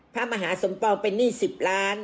พระมหาสมปองเป็นหนี้๑๐ล้าน